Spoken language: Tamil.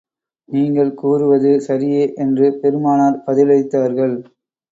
நீங்கள் கூறுவது சரியே என்று பெருமானார் பதிலளித்தார்கள்.